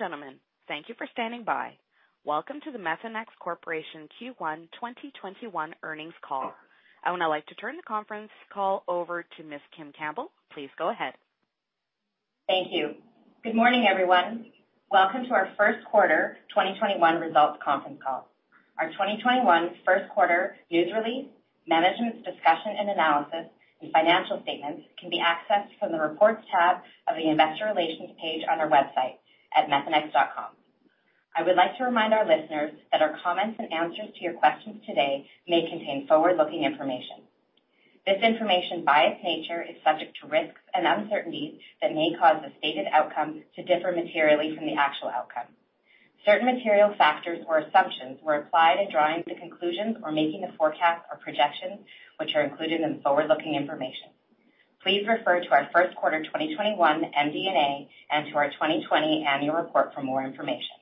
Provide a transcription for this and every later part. Ladies and gentlemen, thank you for standing by. Welcome to the Methanex Corporation Q1 2021 Earnings Call. I would now like to turn the conference call over to Ms. Kim Campbell. Please go ahead. Thank you. Good morning, everyone. Welcome to our Q1 2021 results conference call. Our 2021 Q1 news release, management's discussion and analysis, and financial statements can be accessed from the Reports tab of the Investor Relations page on our website at methanex.com. I would like to remind our listeners that our comments and answers to your questions today may contain forward-looking information. This information, by its nature, is subject to risks and uncertainties that may cause the stated outcomes to differ materially from the actual outcome. Certain material factors or assumptions were applied in drawing the conclusions or making the forecasts or projections which are included in the forward-looking information. Please refer to our Q1 2021 MD&A, and to our 2020 annual report for more information.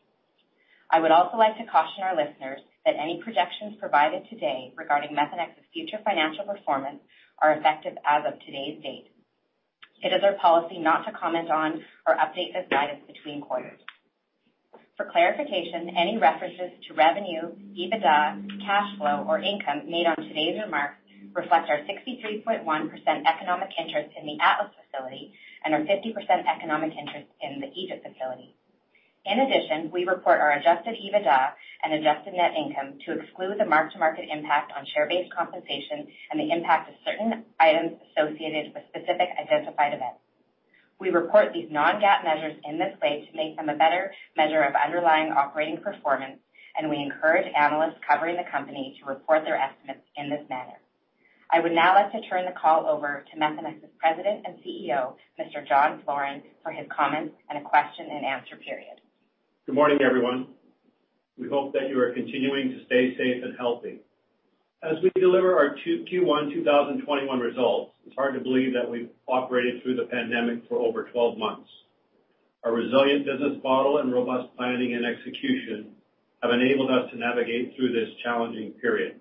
I would also like to caution our listeners that any projections provided today regarding Methanex's future financial performance are effective as of today's date. It is our policy not to comment on or update this guidance between quarters. For clarification, any references to revenue, EBITDA, cash flow, or income made on today's remarks reflect our 63.1% economic interest in the Atlas facility and our 50% economic interest in the Egypt facility. In addition, we report our Adjusted EBITDA and Adjusted Net Income to exclude the mark-to-market impact on share-based compensation and the impact of certain items associated with specific identified events. We report these non-GAAP measures in this way to make them a better measure of underlying operating performance, and we encourage analysts covering the company to report their estimates in this manner. I would now like to turn the call over to Methanex's President and CEO, Mr. John Floren, for his comments and a question and answer period. Good morning, everyone. We hope that you are continuing to stay safe and healthy. As we deliver our Q1 2021 results, it's hard to believe that we've operated through the pandemic for over 12 months. Our resilient business model and robust planning and execution have enabled us to navigate through this challenging period.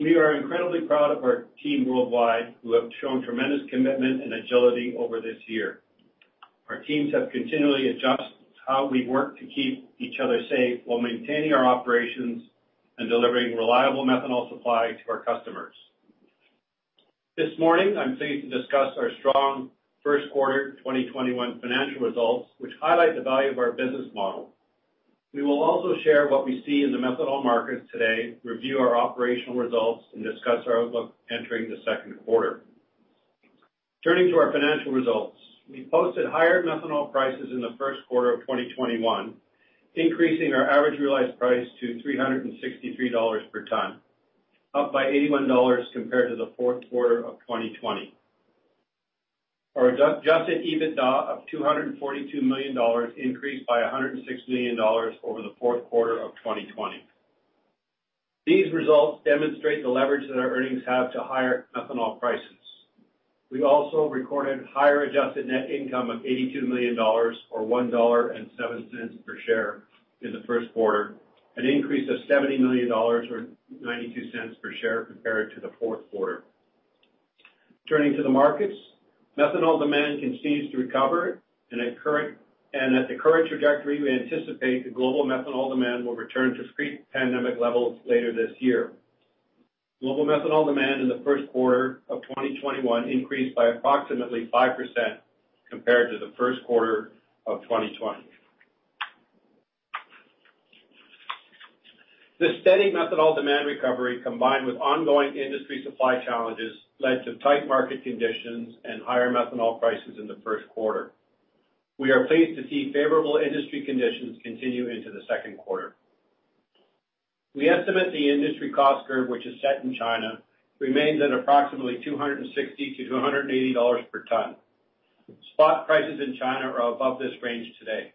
We are incredibly proud of our team worldwide, who have shown tremendous commitment and agility over this year. Our teams have continually adjusted how we work to keep each other safe while maintaining our operations and delivering reliable methanol supply to our customers. This morning, I'm pleased to discuss our strong Q1 2021 financial results, which highlight the value of our business model. We will also share what we see in the methanol markets today, review our operational results, and discuss our outlook entering the Q2. Turning to our financial results. We posted higher methanol prices in the Q1 of 2021, increasing our average realized price to $363 per ton, up by $81 compared to the Q4 of 2020. Our Adjusted EBITDA of $242 million increased by $106 million over the Q4 of 2020. These results demonstrate the leverage that our earnings have to higher methanol prices. We also recorded higher Adjusted Net Income of $82 million, or $1.07 per share in the Q1, an increase of $70 million or $0.92 per share compared to the Q4. Turning to the markets. Methanol demand continues to recover, and at the current trajectory, we anticipate the global methanol demand will return to pre-pandemic levels later this year. Global methanol demand in the Q1 of 2021 increased by approximately 5% compared to the Q1 of 2020. The steady methanol demand recovery, combined with ongoing industry supply challenges, led to tight market conditions and higher methanol prices in the Q1. We are pleased to see favorable industry conditions continue into the Q2. We estimate the industry cost curve, which is set in China, remains at approximately $260-$280 per ton. Spot prices in China are above this range today.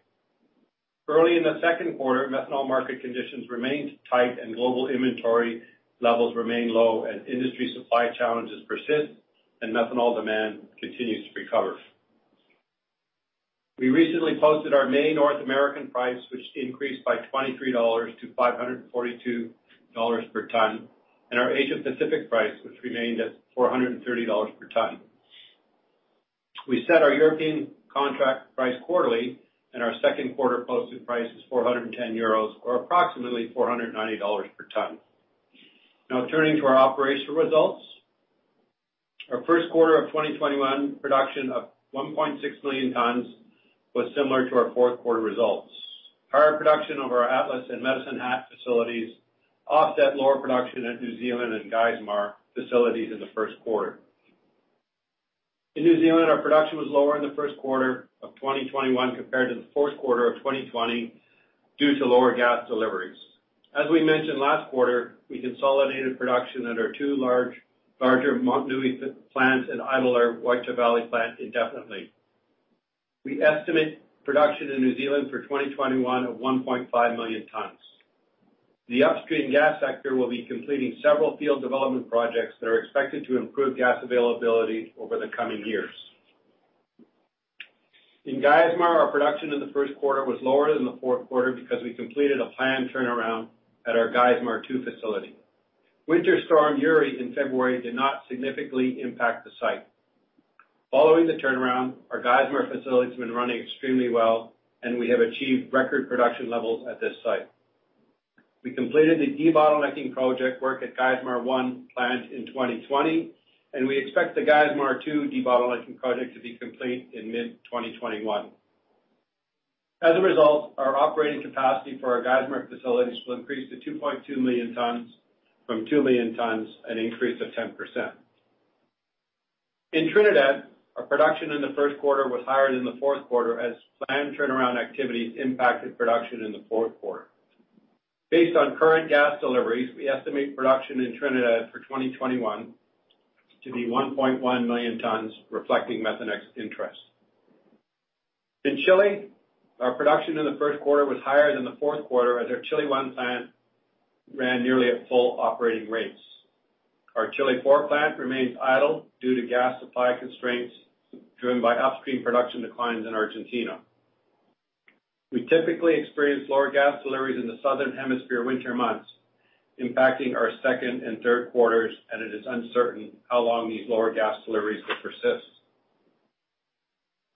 Early in the Q2, methanol market conditions remained tight and global inventory levels remain low and industry supply challenges persist and methanol demand continues to recover. We recently posted our May North American price, which increased by $23 to $542 per ton, and our Asia Pacific price, which remained at $430 per ton. We set our European contract price quarterly, and our Q2 posted price is €410, or approximately $490 per ton. Now turning to our operational results. Our Q1 of 2021 production of 1.6 million tons was similar to our Q4 results. Higher production of our Atlas and Medicine Hat facilities offset lower production at New Zealand and Geismar facilities in the Q1. In New Zealand, our production was lower in the Q1 of 2021 compared to the Q4 of 2020 due to lower gas deliveries. As we mentioned last quarter, we consolidated production at our two larger Motunui plant and idled Waitara Valley plant indefinitely. We estimate production in New Zealand for 2021 of 1.5 million tons. The upstream gas sector will be completing several field development projects that are expected to improve gas availability over the coming years. In Geismar, our production in the Q1 was lower than the Q4 because we completed a planned turnaround at our Geismar 2 facility. Winter Storm Uri in February did not significantly impact the site. Following the turnaround, our Geismar facility has been running extremely well, and we have achieved record production levels at this site. We completed the debottlenecking project work at Geismar 1 plant in 2020, and we expect the Geismar 2 debottlenecking project to be complete in mid-2021. As a result, our operating capacity for our Geismar facilities will increase to 2.2 million tons from 2 million tons, an increase of 10%. In Trinidad, our production in the Q1 was higher than the Q4 as planned turnaround activities impacted production in the Q4. Based on current gas deliveries, we estimate production in Trinidad for 2021 to be 1.1 million tons, reflecting Methanex interests. In Chile, our production in the Q1 was higher than the Q4, as our Chile 1 plant ran nearly at full operating rates. Our Chile IV plant remains idle due to gas supply constraints driven by upstream production declines in Argentina. We typically experience lower gas deliveries in the Southern Hemisphere winter months, impacting our second and third quarters, and it is uncertain how long these lower gas deliveries will persist.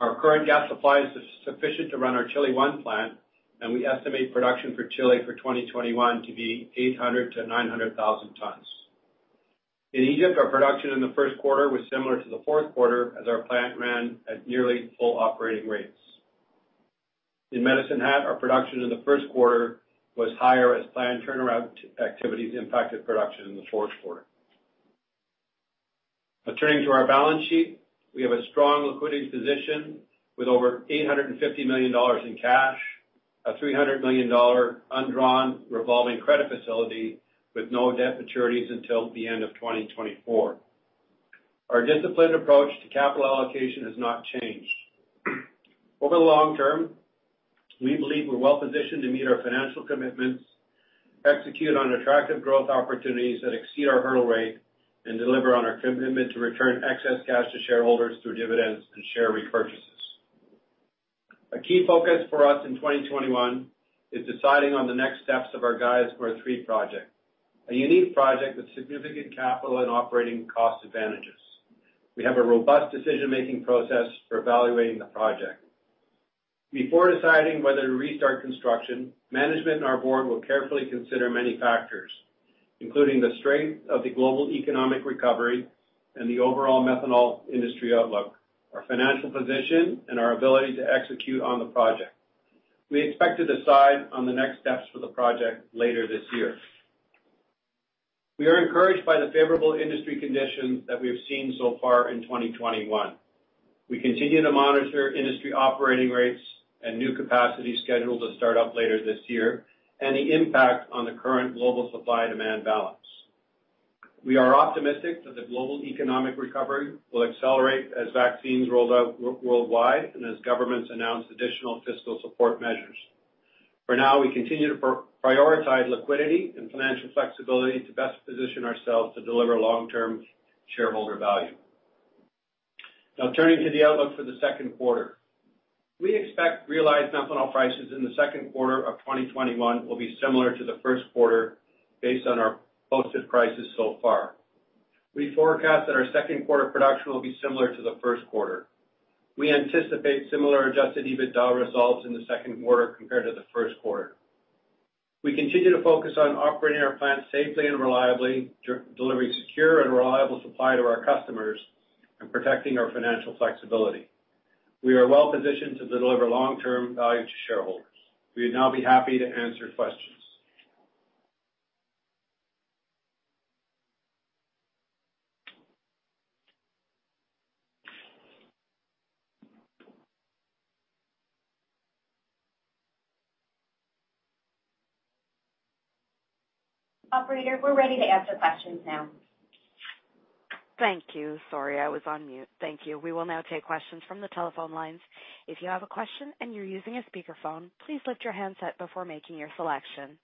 Our current gas supply is sufficient to run our Chile 1 plant, and we estimate production for Chile for 2021 to be 800,000 to 900,000 tons. In Egypt, our production in the Q1 was similar to the Q4, as our plant ran at nearly full operating rates. In Medicine Hat, our production in the Q1 was higher as planned turnaround activities impacted production in the Q4. Now, turning to our balance sheet. We have a strong liquidity position with over $850 million in cash, a $300 million undrawn revolving credit facility with no debt maturities until the end of 2024. Our disciplined approach to capital allocation has not changed. Over the long term, we believe we're well-positioned to meet our financial commitments, execute on attractive growth opportunities that exceed our hurdle rate, and deliver on our commitment to return excess cash to shareholders through dividends and share repurchases. A key focus for us in 2021 is deciding on the next steps of our Geismar 3 project, a unique project with significant capital and operating cost advantages. We have a robust decision-making process for evaluating the project. Before deciding whether to restart construction, management and our board will carefully consider many factors, including the strength of the global economic recovery and the overall methanol industry outlook, our financial position, and our ability to execute on the project. We expect to decide on the next steps for the project later this year. We are encouraged by the favorable industry conditions that we have seen so far in 2021. We continue to monitor industry operating rates and new capacity scheduled to start up later this year and the impact on the current global supply-demand balance. We are optimistic that the global economic recovery will accelerate as vaccines roll out worldwide and as governments announce additional fiscal support measures. For now, we continue to prioritize liquidity and financial flexibility to best position ourselves to deliver long-term shareholder value. Now, turning to the outlook for the Q2. We expect realized methanol prices in the Q2 of 2021 will be similar to the Q1 based on our posted prices so far. We forecast that our Q2 production will be similar to the Q1. We anticipate similar Adjusted EBITDA results in the Q2 compared to the Q1. We continue to focus on operating our plants safely and reliably, delivering secure and reliable supply to our customers, and protecting our financial flexibility. We are well-positioned to deliver long-term value to shareholders. We would now be happy to answer questions. Operator, we're ready to answer questions now. Thank you. Sorry, I was on mute. Thank you. We will now take questions from the telephone lines. If you have a question and you're using a speakerphone, please lift your handset before making your selection.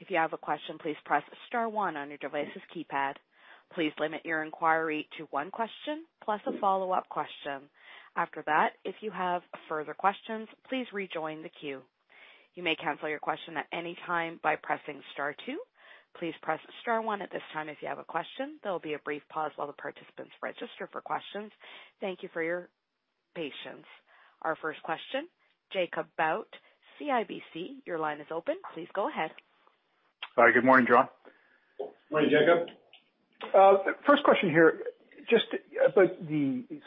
If you have a question, please press star one on your device's keypad. Please limit your inquiry to one question plus a follow-up question. After that, if you have further questions, please rejoin the queue. You may cancel your question at any time by pressing star two. Please press star one at this time if you have a question. There'll be a brief pause while the participants register for questions. Thank you for your patience. Our first question, Jacob Bout, CIBC, your line is open. Please go ahead. Hi. Good morning, John. Morning, Jacob. First question here.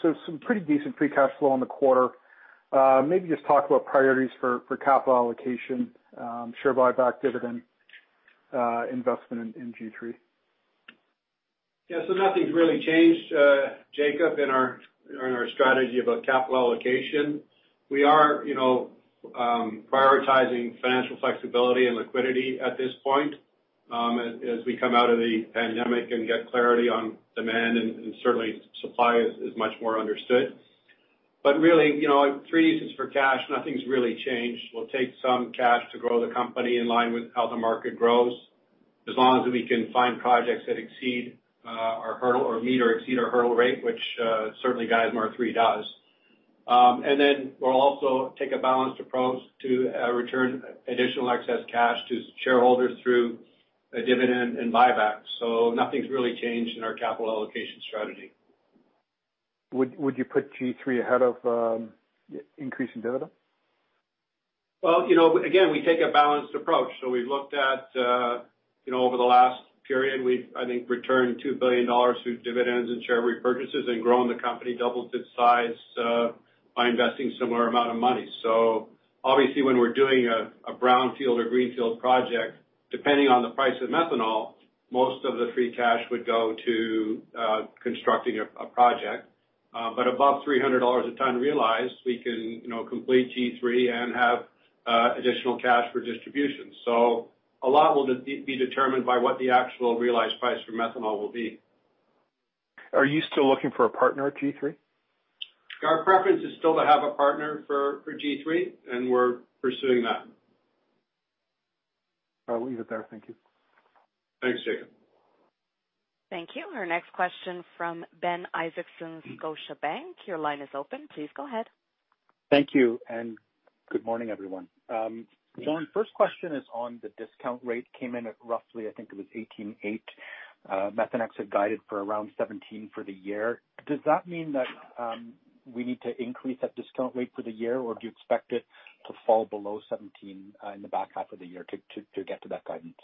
Some pretty decent free cash flow in the quarter. Maybe just talk about priorities for capital allocation, share buyback, dividend, investment in G3? Yeah. Nothing's really changed, Jacob, in our strategy about capital allocation. We are prioritizing financial flexibility and liquidity at this point as we come out of the pandemic and get clarity on demand, and certainly supply is much more understood. Really, three reasons for cash. Nothing's really changed. We'll take some cash to grow the company in line with how the market grows as long as we can find projects that meet or exceed our hurdle rate, which certainly Geismar 3 does. We'll also take a balanced approach to return additional excess cash to shareholders through a dividend and buyback. Nothing's really changed in our capital allocation strategy. Would you put G3 ahead of increasing dividend? Again, we take a balanced approach. We've looked at, over the last period, we've, I think, returned $2 billion through dividends and share repurchases and grown the company double its size by investing similar amount of money. Obviously when we're doing a brownfield or greenfield project, depending on the price of methanol, most of the free cash would go to constructing a project. Above $300 a ton realized, we can complete G3 and have additional cash for distribution. A lot will be determined by what the actual realized price for methanol will be. Are you still looking for a partner at G3? Our preference is still to have a partner for G3, and we're pursuing that. I'll leave it there. Thank you. Thanks, Jacob. Thank you. Our next question from Ben Isaacson, Scotiabank. Your line is open. Please go ahead. Thank you, good morning, everyone. Good morning. John, first question is on the discount rate. Came in at roughly, I think it was 18.8. Methanex had guided for around 17 for the year. Does that mean that we need to increase that discount rate for the year, or do you expect it to fall below 17 in the back half of the year to get to that guidance?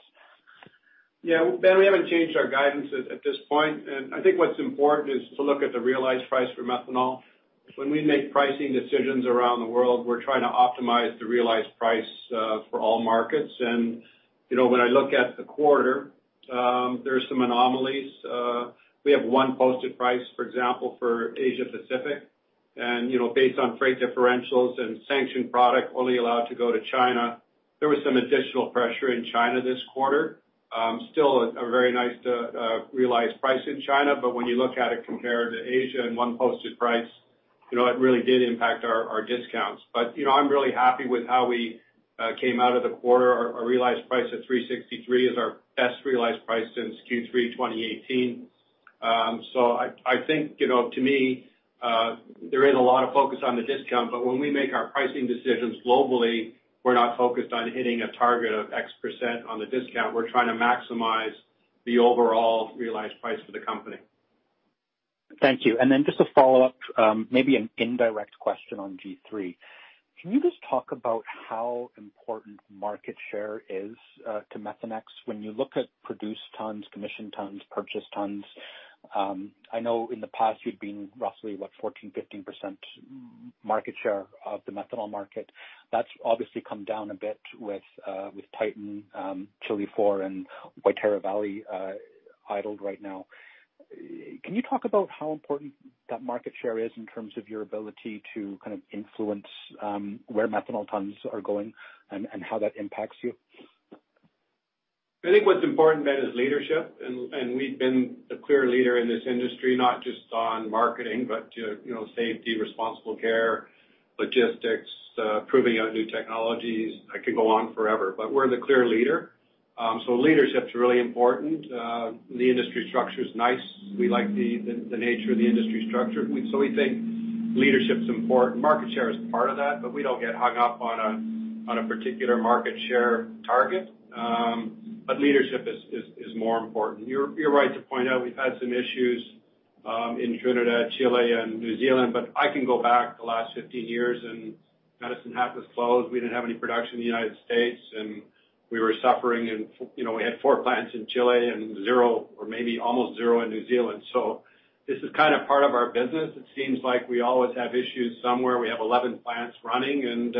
Yeah. Ben, we haven't changed our guidance at this point. I think what's important is to look at the realized price for methanol. When we make pricing decisions around the world, we're trying to optimize the realized price for all markets. When I look at the quarter, there are some anomalies. We have one posted price, for example, for Asia Pacific, and based on freight differentials and sanctioned product only allowed to go to China. There was some additional pressure in China this quarter. Still a very nice realized price in China, but when you look at it compared to Asia and one posted price, it really did impact our discounts. I'm really happy with how we came out of the quarter. Our realized price at $363 is our best realized price since Q3 2018. I think, to me, there isn't a lot of focus on the discount, but when we make our pricing decisions globally, we're not focused on hitting a target of X percent on the discount. We're trying to maximize the overall realized price for the company. Thank you. Then just a follow-up, maybe an indirect question on G3. Can you just talk about how important market share is to Methanex when you look at produced tons, commissioned tons, purchased tons? I know in the past you'd been roughly, what, 14%, 15% market share of the methanol market. That's obviously come down a bit with Titan, Chile IV, and Waitara Valley idled right now. Can you talk about how important that market share is in terms of your ability to kind of influence where methanol tons are going and how that impacts you? I think what's important, Ben, is leadership, and we've been the clear leader in this industry, not just on marketing, but safety, Responsible Care, logistics, proving out new technologies. I could go on forever. We're the clear leader. Leadership's really important. The industry structure is nice. We like the nature of the industry structure. We think leadership's important. Market share is part of that, but we don't get hung up on a particular market share target. Leadership is more important. You're right to point out we've had some issues in Trinidad, Chile, and New Zealand, but I can go back the last 15 years and Medicine Hat was closed. We didn't have any production in the U.S., and we were suffering. We had four plants in Chile and zero or maybe almost zero in New Zealand. This is kind of part of our business. It seems like we always have issues somewhere. We have 11 plants running, and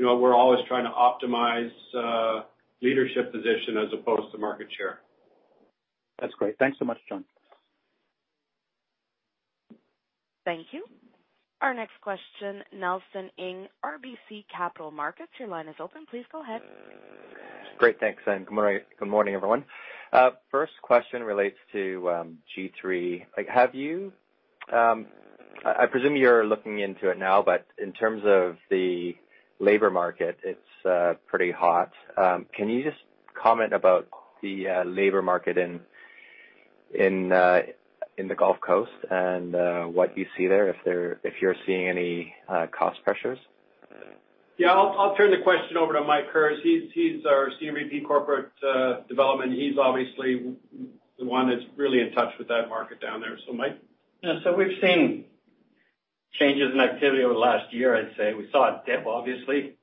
we're always trying to optimize leadership position as opposed to market share. That's great. Thanks so much, John. Thank you. Our next question, Nelson Ng, RBC Capital Markets. Your line is open. Please go ahead. Great. Thanks. Good morning, everyone. First question relates to G3. I presume you're looking into it now, but in terms of the labor market, it's pretty hot. Can you just comment about the labor market in the Gulf Coast and what you see there, if you're seeing any cost pressures? Yeah. I'll turn the question over to Mike Herz. He's our Senior VP, Corporate Development. He's obviously the one that's really in touch with that market down there. Mike? Yeah. We've seen changes in activity over the last year, I'd say. We saw a dip, obviously,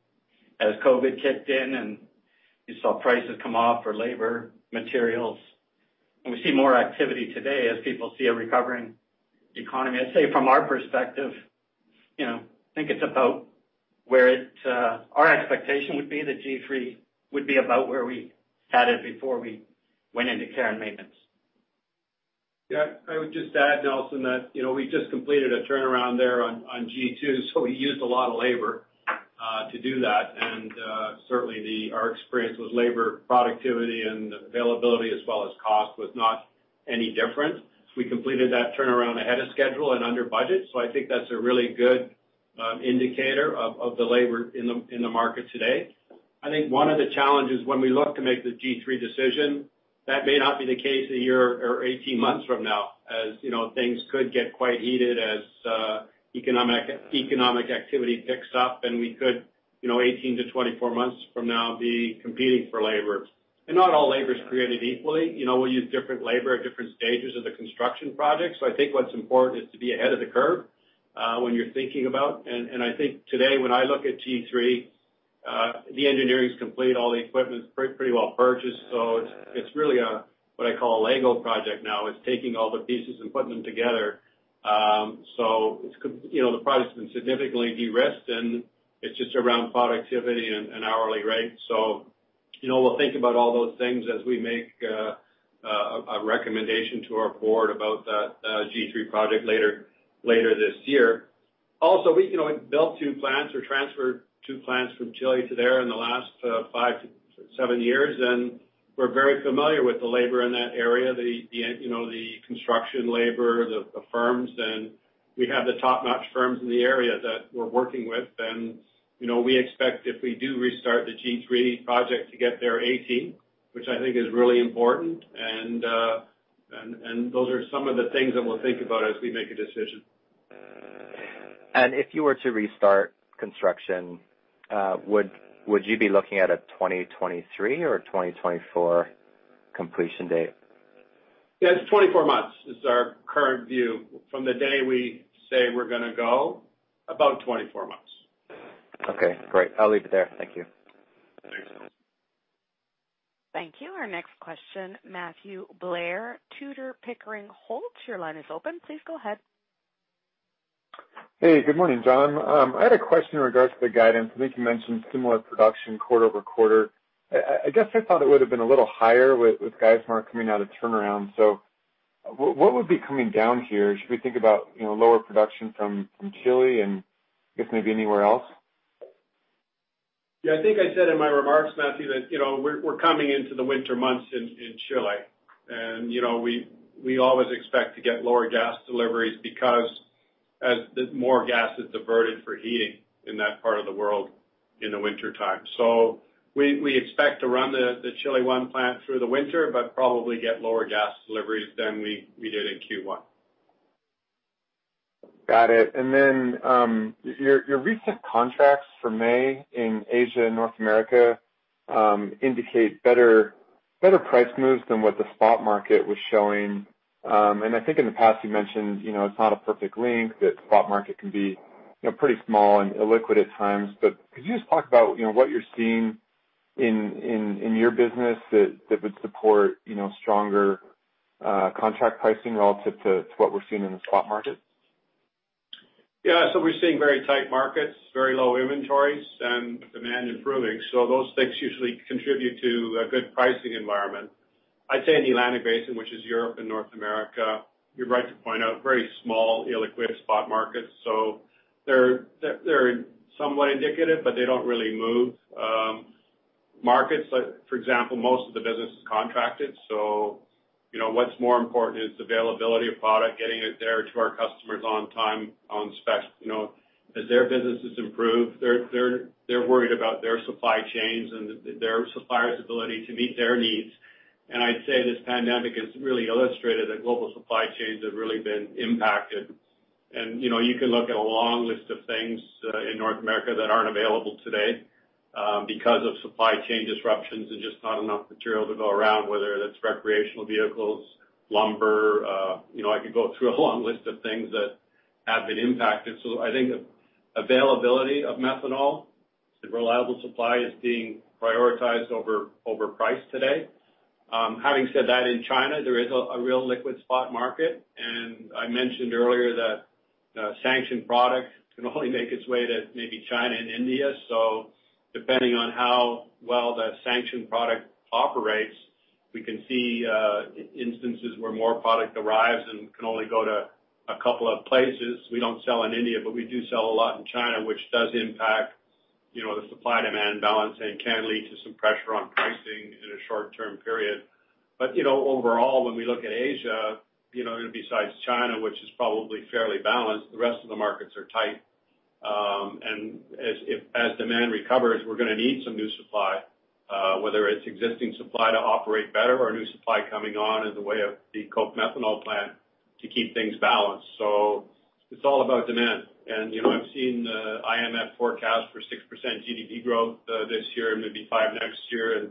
as COVID kicked in, and you saw prices come off for labor, materials. We see more activity today as people see a recovering economy. I'd say from our perspective, I think it's about where our expectation would be that G3 would be about where we had it before we went into care and maintenance. Yeah. I would just add, Nelson, that we just completed a turnaround there on G2, so we used a lot of labor to do that, and certainly our experience with labor productivity and availability as well as cost was not any different. We completed that turnaround ahead of schedule and under budget, so I think that's a really good indicator of the labor in the market today. I think one of the challenges when we look to make the G3 decision, that may not be the case a year or 18 months from now, as things could get quite heated as economic activity picks up, and we could, 18-24 months from now, be competing for labor. Not all labor is created equally. We use different labor at different stages of the construction project. I think what's important is to be ahead of the curve. I think today, when I look at G3, the engineering's complete, all the equipment's pretty well purchased. It's really what I call a Lego project now. It's taking all the pieces and putting them together. The project's been significantly de-risked, and it's just around productivity and hourly rate. We'll think about all those things as we make a recommendation to our board about that G3 project later this year. We built two plants or transferred two plants from Chile to there in the last five to seven years, and we're very familiar with the labor in that area, the construction labor, the firms, and we have the top-notch firms in the area that we're working with. We expect if we do restart the G3 project to get their A team, which I think is really important. Those are some of the things that we will think about as we make a decision. If you were to restart construction, would you be looking at a 2023 or 2024 completion date? Yeah, it's 24 months is our current view. From the day we say we're going to go, about 24 months. Okay, great. I'll leave it there. Thank you. Thanks. Thank you. Our next question, Matthew Blair, Tudor, Pickering Holt. Your line is open. Please go ahead. Hey, good morning, John. I had a question in regards to the guidance. I think you mentioned similar production quarter-over-quarter. I guess I thought it would have been a little higher with Geismar coming out of turnaround. What would be coming down here? Should we think about lower production from Chile and I guess maybe anywhere else? Yeah. I think I said in my remarks, Matthew, that we're coming into the winter months in Chile. We always expect to get lower gas deliveries because as more gas is diverted for heating in that part of the world in the wintertime. We expect to run the Chile one plant through the winter, but probably get lower gas deliveries than we did in Q1. Got it. Your recent contracts for May in Asia and North America indicate better price moves than what the spot market was showing. I think in the past, you mentioned it's not a perfect link, that the spot market can be pretty small and illiquid at times. Could you just talk about what you're seeing in your business that would support stronger contract pricing relative to what we're seeing in the spot market? We're seeing very tight markets, very low inventories, and demand improving. Those things usually contribute to a good pricing environment. I'd say in the Atlantic Basin, which is Europe and North America, you're right to point out very small, illiquid spot markets. They're somewhat indicative, but they don't really move markets. For example, most of the business is contracted, so what's more important is availability of product, getting it there to our customers on time, on spec. As their businesses improve, they're worried about their supply chains and their suppliers' ability to meet their needs. I'd say this pandemic has really illustrated that global supply chains have really been impacted. You can look at a long list of things in North America that aren't available today because of supply chain disruptions and just not enough material to go around, whether that's recreational vehicles, lumber. I could go through a long list of things that have been impacted. I think availability of methanol and reliable supply is being prioritized over price today. Having said that, in China, there is a real liquid spot market. I mentioned earlier that sanctioned product can only make its way to maybe China and India. Depending on how well that sanctioned product operates, we can see instances where more product arrives and can only go to a couple of places. We don't sell in India, but we do sell a lot in China, which does impact the supply-demand balance and can lead to some pressure on pricing in a short-term period. Overall, when we look at Asia, besides China, which is probably fairly balanced, the rest of the markets are tight. As demand recovers, we're going to need some new supply, whether it's existing supply to operate better or new supply coming on in the way of the OCI methanol plant to keep things balanced. It's all about demand. I've seen the IMF forecast for 6% GDP growth this year and maybe 5% next year, and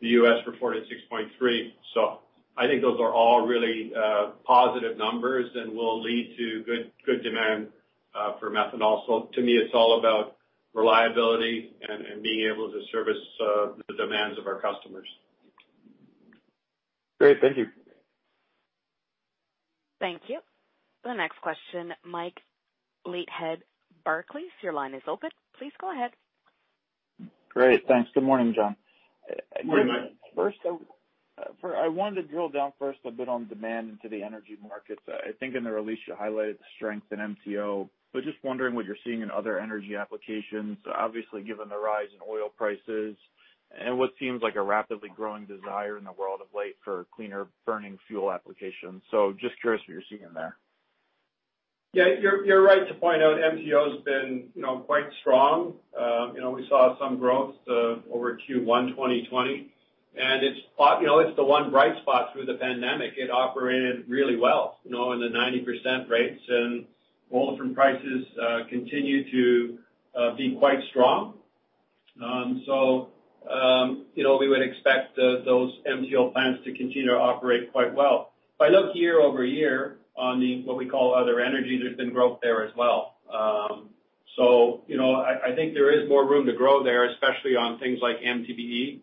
the U.S. reported 6.3%. I think those are all really positive numbers and will lead to good demand for methanol. To me, it's all about reliability and being able to service the demands of our customers. Great. Thank you. Thank you. The next question, Mike Leithead, Barclays. Your line is open. Please go ahead. Great. Thanks. Good morning, John. Good morning, Mike. I wanted to drill down first a bit on demand into the energy markets. I think in the release, you highlighted the strength in MTO, just wondering what you're seeing in other energy applications. Obviously, given the rise in oil prices and what seems like a rapidly growing desire in the world of late for cleaner-burning fuel applications. Just curious what you're seeing there. You're right to point out MTO has been quite strong. We saw some growth over Q1 2020, and it's the one bright spot through the pandemic. It operated really well in the 90% rates, and olefin prices continue to be quite strong. We would expect those MTO plants to continue to operate quite well. If I look year-over-year on the, what we call other energy, there's been growth there as well. I think there is more room to grow there, especially on things like MTBE.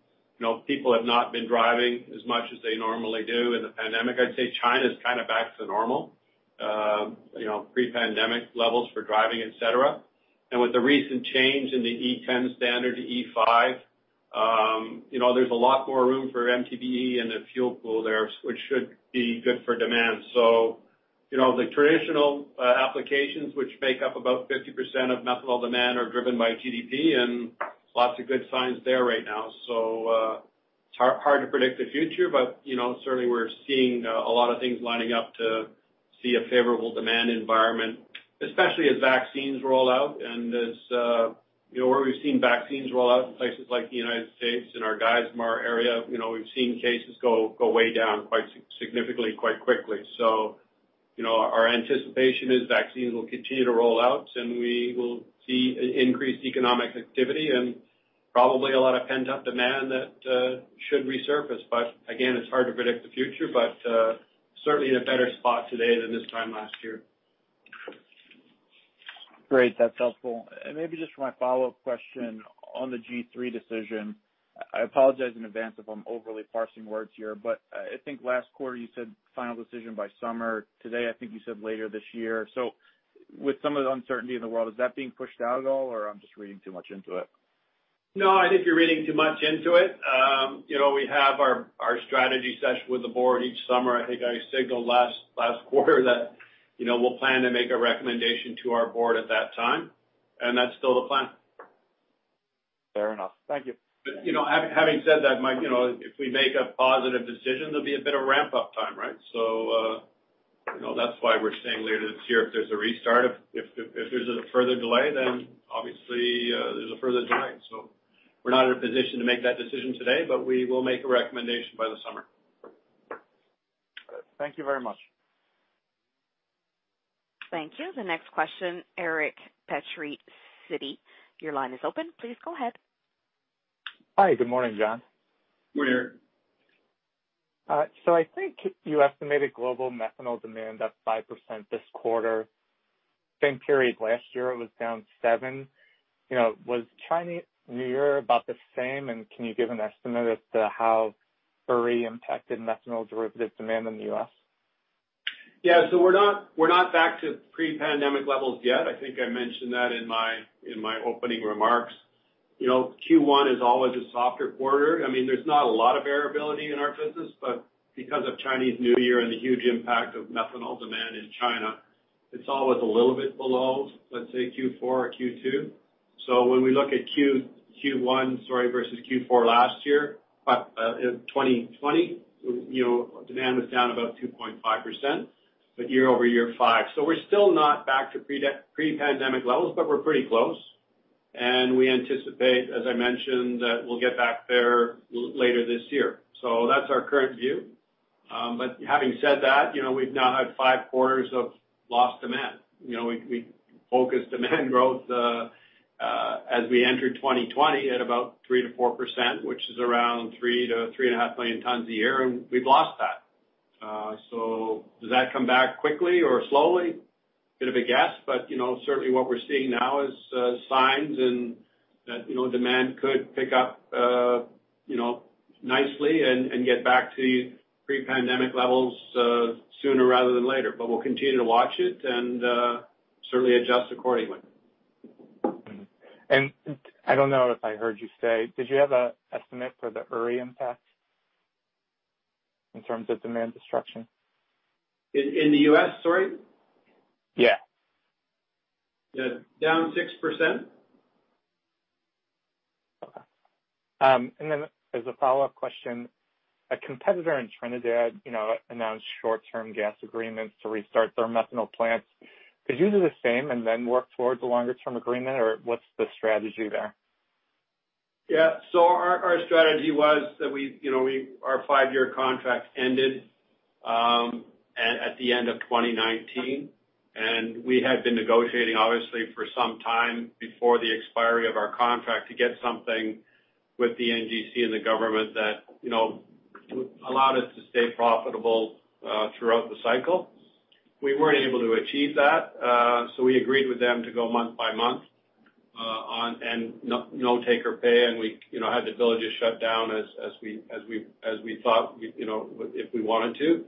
People have not been driving as much as they normally do in the pandemic. I'd say China's kind of back to normal, pre-pandemic levels for driving, et cetera. With the recent change in the E10 Stena to E5, there's a lot more room for MTBE in the fuel pool there, which should be good for demand. The traditional applications, which make up about 50% of methanol demand, are driven by GDP and lots of good signs there right now. It's hard to predict the future, but certainly we're seeing a lot of things lining up to see a favorable demand environment, especially as vaccines roll out and as where we've seen vaccines roll out in places like the United States, in our Geismar area, we've seen cases go way down quite significantly, quite quickly. Our anticipation is vaccines will continue to roll out, and we will see increased economic activity and probably a lot of pent-up demand that should resurface. Again, it's hard to predict the future, but certainly in a better spot today than this time last year. Great. That's helpful. Maybe just for my follow-up question on the G3 decision, I apologize in advance if I'm overly parsing words here, but I think last quarter you said final decision by summer. Today, I think you said later this year. With some of the uncertainty in the world, is that being pushed out at all, or I'm just reading too much into it? No, I think you're reading too much into it. We have our strategy session with the board each summer. I think I signaled last quarter that we'll plan to make a recommendation to our board at that time, and that's still the plan. Fair enough. Thank you. Having said that, Mike, if we make a positive decision, there'll be a bit of ramp-up time, right? That's why we're saying later this year if there's a restart. If there's a further delay, then obviously there's a further delay. We're not in a position to make that decision today, but we will make a recommendation by the summer. Thank you very much. Thank you. The next question, Eric Petrie, Citi. Your line is open. Please go ahead. Hi. Good morning, John. Good morning, Eric. I think you estimated global methanol demand up 5% this quarter. Same period last year, it was down 7%. Was Chinese New Year about the same, and can you give an estimate as to how Uri impacted methanol derivative demand in the U.S.? We're not back to pre-pandemic levels yet. I think I mentioned that in my opening remarks. Q1 is always a softer quarter. There's not a lot of variability in our business, but because of Chinese New Year and the huge impact of methanol demand in China, it's always a little bit below, let's say, Q4 or Q2. When we look at Q1, sorry, versus Q4 last year, in 2020, demand was down about 2.5%, but year-over-year, five. We're still not back to pre-pandemic levels, but we're pretty close. We anticipate, as I mentioned, that we'll get back there later this year. That's our current view. Having said that, we've now had five quarters of lost demand. We focused demand growth as we entered 2020 at about 3%-4%, which is around 3 million-3.5 million tons a year. We've lost that. Does that come back quickly or slowly? Bit of a guess, certainly what we're seeing now is signs that demand could pick up nicely and get back to pre-pandemic levels sooner rather than later. We'll continue to watch it and certainly adjust accordingly. Mm-hmm. I don't know if I heard you say, did you have an estimate for the Uri impact in terms of demand destruction? In the U.S., sorry? Yeah. Down 6%. Okay. As a follow-up question, a competitor in Trinidad announced short-term gas agreements to restart their methanol plants. Could you do the same and then work towards a longer-term agreement, or what's the strategy there? Our strategy was that our five-year contract ended at the end of 2019, and we had been negotiating, obviously, for some time before the expiry of our contract to get something with the NGC and the government that allowed us to stay profitable throughout the cycle. We weren't able to achieve that so we agreed with them to go month-by-month on, and no take or pay, and we had the ability to shut down as we thought if we wanted to.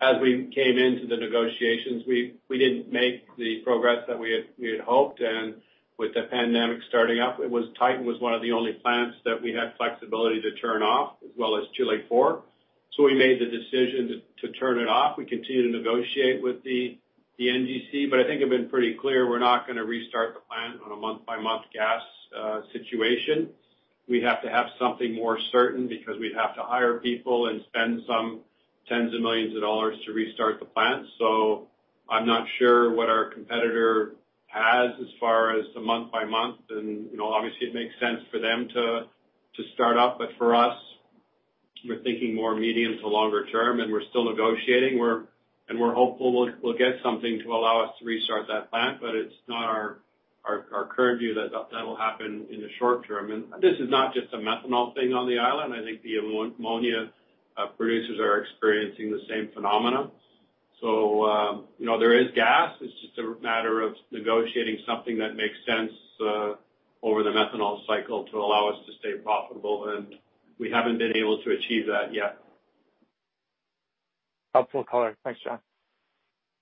As we came into the negotiations, we didn't make the progress that we had hoped, and with the pandemic starting up, Titan was one of the only plants that we had flexibility to turn off as well as Chile IV. We made the decision to turn it off. We continue to negotiate with the NGC, but I think I've been pretty clear we're not going to restart the plant on a month-by-month gas situation. We have to have something more certain because we'd have to hire people and spend some tens of millions of dollars to restart the plant. I'm not sure what our competitor has as far as the month-by-month. Obviously it makes sense for them to start up, but for us, we're thinking more medium to longer term, and we're still negotiating. We're hopeful we'll get something to allow us to restart that plant, but it's not our current view that that'll happen in the short term. This is not just a methanol thing on the island. I think the ammonia producers are experiencing the same phenomena. There is gas. It's just a matter of negotiating something that makes sense over the methanol cycle to allow us to stay profitable, and we haven't been able to achieve that yet. Helpful color. Thanks, John.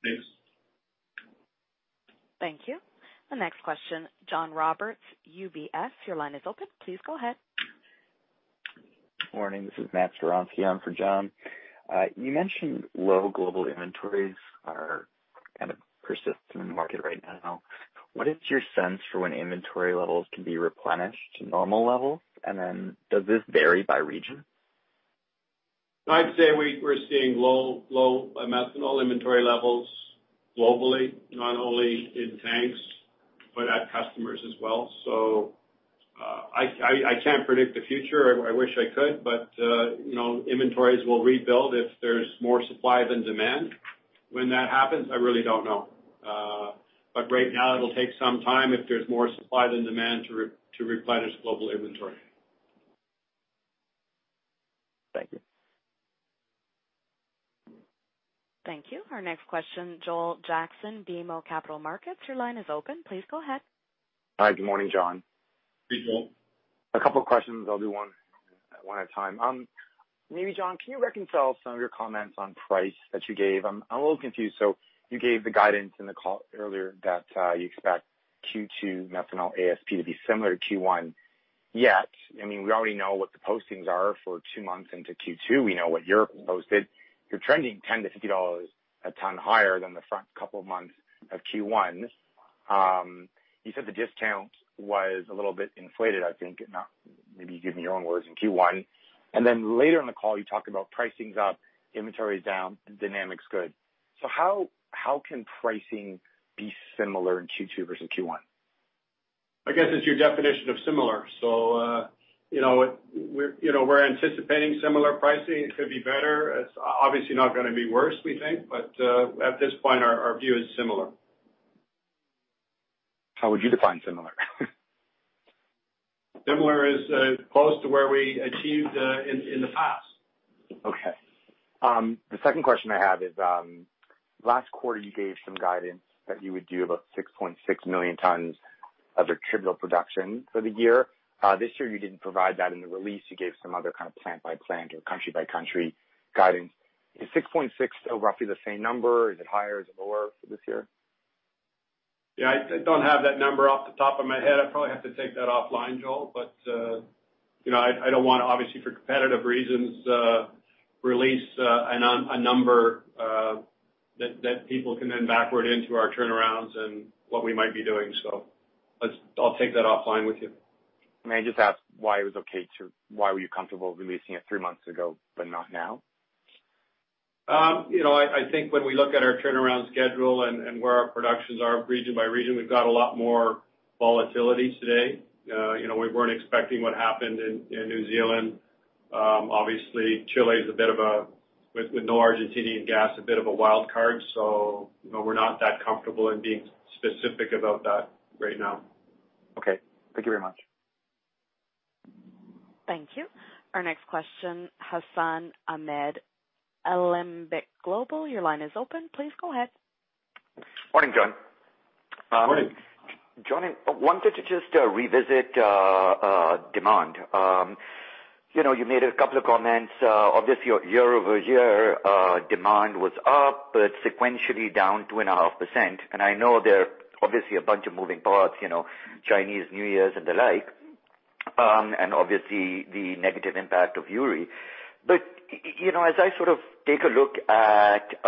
Thanks. Thank you. The next question, John Roberts, UBS. Your line is open. Please go ahead. Morning. This is Matt Skowronski on for John. You mentioned low global inventories are kind of persistent in the market right now. What is your sense for when inventory levels can be replenished to normal levels? Does this vary by region? I'd say we're seeing low methanol inventory levels globally, not only in tanks, but at customers as well. I can't predict the future. I wish I could. Inventories will rebuild if there's more supply than demand. When that happens, I really don't know. Right now, it'll take some time if there's more supply than demand to replenish global inventory. Thank you. Thank you. Our next question, Joel Jackson, BMO Capital Markets. Your line is open. Please go ahead. Hi. Good morning, John. Hey, Joel. A couple questions. I'll do one at a time. Maybe, John, can you reconcile some of your comments on price that you gave? I'm a little confused. You gave the guidance in the call earlier that you expect Q2 methanol ASP to be similar to Q1. Yet, we already know what the postings are for two months into Q2. We know what you posted. You're trending $10-$50 a ton higher than the front couple of months of Q1. You said the discount was a little bit inflated, I think. Maybe you give me your own words in Q1. Later in the call, you talked about pricing's up, inventory's down, dynamic's good. How can pricing be similar in Q2 versus Q1? I guess it's your definition of similar. We're anticipating similar pricing. It could be better. It's obviously not going to be worse, we think. At this point, our view is similar. How would you define similar? Similar is close to where we achieved in the past. Okay. The second question I have is, last quarter you gave some guidance that you would do about 6.6 million tons of attributable production for the year. This year you didn't provide that in the release. You gave some other kind of plant-by-plant or country-by-country guidance. Is 6.6 still roughly the same number? Is it higher? Is it lower for this year? Yeah, I don't have that number off the top of my head. I probably have to take that offline, Joel. I don't want to, obviously for competitive reasons, release a number that people can then backward into our turnarounds and what we might be doing. I'll take that offline with you. Why were you comfortable releasing it three months ago, but not now? I think when we look at our turnaround schedule and where our productions are region by region, we've got a lot more volatility today. We weren't expecting what happened in New Zealand. Obviously Chile is a bit of a, with no Argentinian gas, a bit of a wild card. We're not that comfortable in being specific about that right now. Okay. Thank you very much. Thank you. Our next question, Hassan Ahmed, Alembic Global. Morning, John. Morning. John, I wanted to just revisit demand. You made a couple of comments. Obviously year-over-year, demand was up, but sequentially down 2.5%. I know there are obviously a bunch of moving parts, Chinese New Year and the like, and obviously the negative impact of Uri. As I sort of take a look at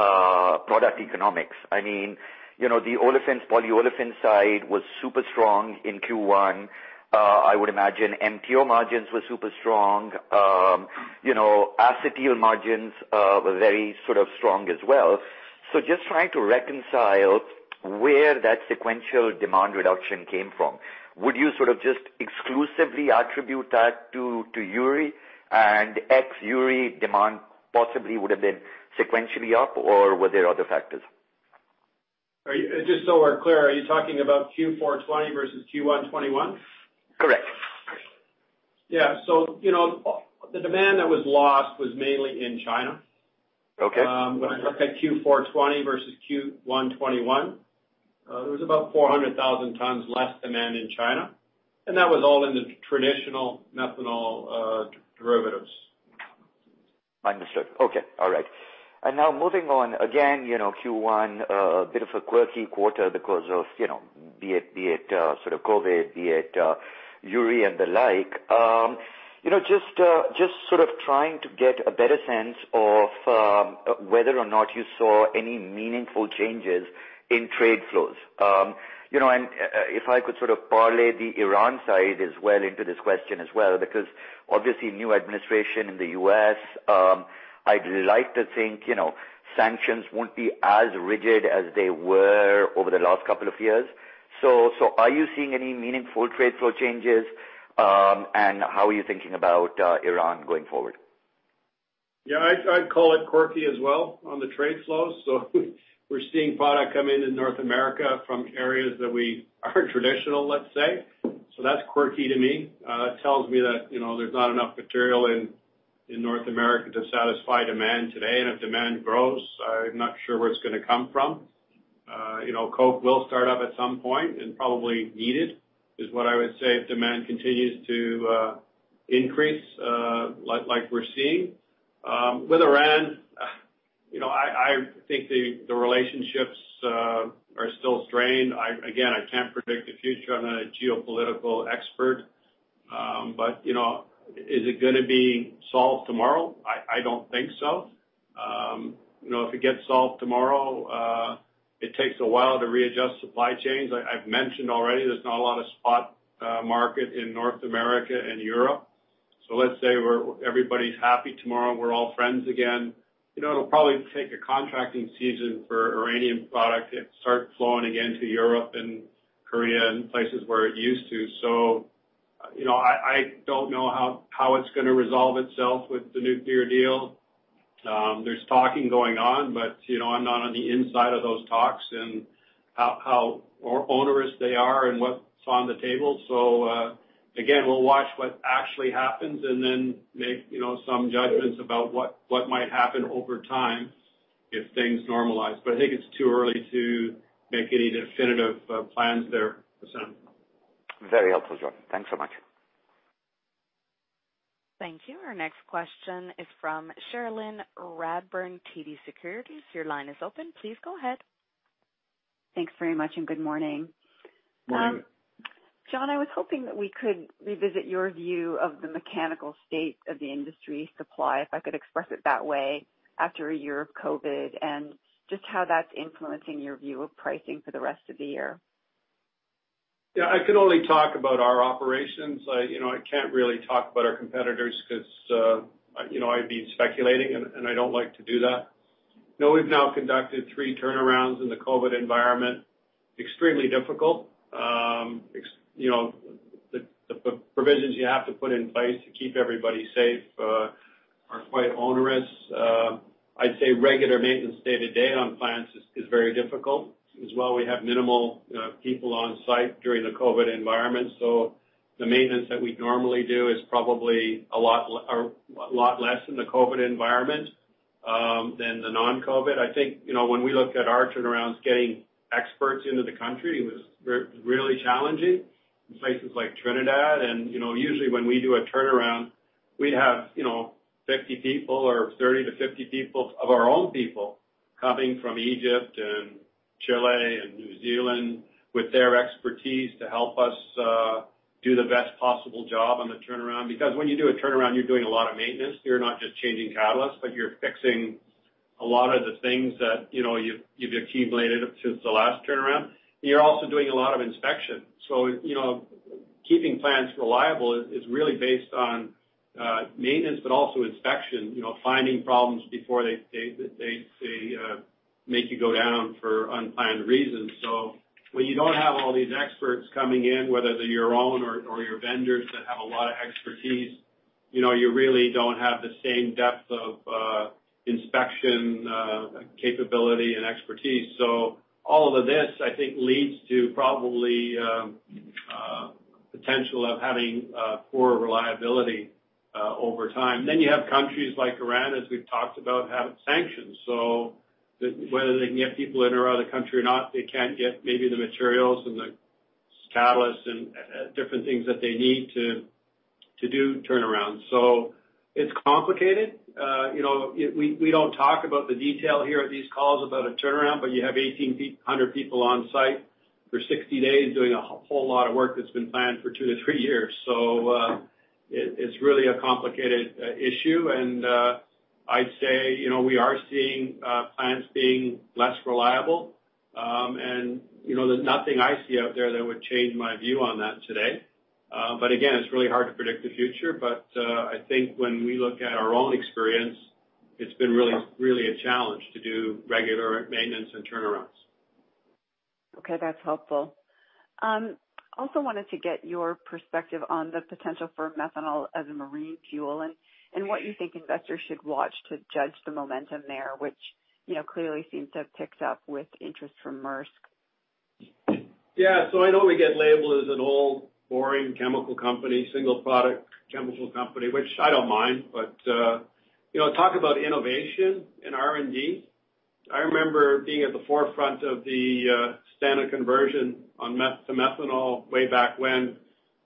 product economics, the olefins, polyolefins side was super strong in Q1. I would imagine MTO margins were super strong. Acetyl margins were very sort of strong as well. Just trying to reconcile where that sequential demand reduction came from. Would you sort of just exclusively attribute that to Uri, and ex-Uri demand possibly would've been sequentially up, or were there other factors? Just so we're clear, are you talking about Q4 2020 versus Q1 2021? Correct. Yeah. The demand that was lost was mainly in China. Okay. When I look at Q4 2020 versus Q1 2021, it was about 400,000 tons less demand in China. That was all in the traditional methanol derivatives. Understood. Okay. All right. Now moving on again, Q1, a bit of a quirky quarter because of be it sort of COVID, be it Uri and the like. Just trying to get a better sense of whether or not you saw any meaningful changes in trade flows. If I could parlay the Iran side as well into this question as well, because obviously new administration in the U.S., I'd like to think sanctions won't be as rigid as they were over the last couple of years. Are you seeing any meaningful trade flow changes? How are you thinking about Iran going forward? Yeah, I'd call it quirky as well on the trade flows. We're seeing product come in North America from areas that we aren't traditional, let's say. That's quirky to me. That tells me that there's not enough material in North America to satisfy demand today. If demand grows, I'm not sure where it's going to come from. Koch will start up at some point and probably needed, is what I would say if demand continues to increase like we're seeing. With Iran, I think the relationships are still strained. Again, I can't predict the future. I'm not a geopolitical expert. Is it going to be solved tomorrow? I don't think so. If it gets solved tomorrow, it takes a while to readjust supply chains. I've mentioned already, there's not a lot of spot market in North America and Europe. Let's say everybody's happy tomorrow, we're all friends again. It'll probably take a contracting season for Iranian product to start flowing again to Europe and Korea and places where it used to. I don't know how it's going to resolve itself with the nuclear deal. There's talking going on, but I'm not on the inside of those talks and how onerous they are and what's on the table. Again, we'll watch what actually happens and then make some judgments about what might happen over time if things normalize. I think it's too early to make any definitive plans there, Hassan. Very helpful, John. Thanks so much. Thank you. Our next question is from Cherilyn Radbourne, TD Securities. Your line is open. Please go ahead. Thanks very much, and good morning. Morning. John, I was hoping that we could revisit your view of the mechanical state of the industry supply, if I could express it that way, after a year of COVID, and just how that's influencing your view of pricing for the rest of the year. I can only talk about our operations. I can't really talk about our competitors because I'd be speculating, and I don't like to do that. We've now conducted three turnarounds in the COVID environment. Extremely difficult. The provisions you have to put in place to keep everybody safe are quite onerous. I'd say regular maintenance day-to-day on plants is very difficult. We have minimal people on site during the COVID environment. The maintenance that we normally do is probably a lot less in the COVID environment than the non-COVID. I think when we looked at our turnarounds, getting experts into the country was really challenging in places like Trinidad. Usually when we do a turnaround, we'd have 50 people or 30 to 50 people of our own people coming from Egypt and Chile and New Zealand with their expertise to help us do the best possible job on the turnaround. When you do a turnaround, you're doing a lot of maintenance. You're not just changing catalysts, but you're fixing a lot of the things that you've accumulated since the last turnaround. You're also doing a lot of inspection. Keeping plants reliable is really based on maintenance, but also inspection, finding problems before they make you go down for unplanned reasons. When you don't have all these experts coming in, whether they're your own or your vendors that have a lot of expertise, you really don't have the same depth of inspection capability and expertise. All of this, I think, leads to probably potential of having poorer reliability over time. You have countries like Iran, as we've talked about, have sanctions. Whether they can get people in or out of the country or not, they can't get maybe the materials and the catalysts and different things that they need to do turnarounds. It's complicated. We don't talk about the detail here at these calls about a turnaround, but you have 1,800 people on site for 60 days doing a whole lot of work that's been planned for two to three years. It's really a complicated issue, and I'd say we are seeing plants being less reliable. There's nothing I see out there that would change my view on that today. Again, it's really hard to predict the future. I think when we look at our own experience, it's been really a challenge to do regular maintenance and turnarounds. Okay. That's helpful. Also wanted to get your perspective on the potential for methanol as a marine fuel and what you think investors should watch to judge the momentum there, which clearly seems to have picked up with interest from Maersk. Yeah. I know we get labeled as an old boring chemical company, single product chemical company, which I don't mind. Talk about innovation and R&D. I remember being at the forefront of the standard conversion to methanol way back when,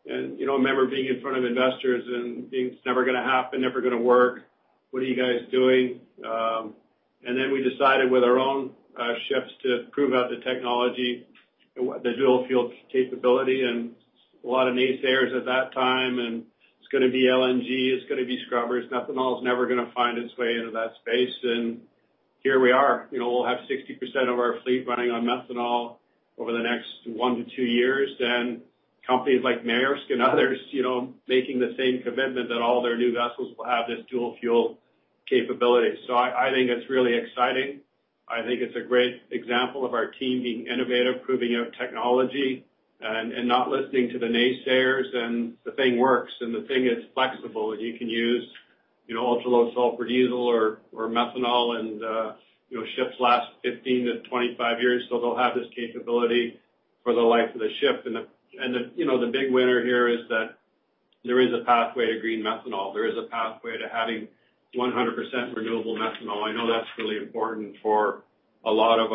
and I remember being in front of investors and being, It's never going to happen, never going to work. What are you guys doing? We decided with our own ships to prove out the technology, the dual fuel capability, and a lot of naysayers at that time, and it's going to be LNG, it's going to be scrubbers. Methanol is never going to find its way into that space. Here we are. We'll have 60% of our fleet running on methanol over the next one to two years. Companies like Maersk and others making the same commitment that all their new vessels will have this dual fuel capability. I think it's really exciting. I think it's a great example of our team being innovative, proving out technology and not listening to the naysayers. The thing works, and the thing is flexible, and you can use ultra-low sulfur diesel or methanol and ships last 15-25 years, so they'll have this capability for the life of the ship. The big winner here is that there is a pathway to green methanol. There is a pathway to having 100% renewable methanol. I know that's really important for a lot of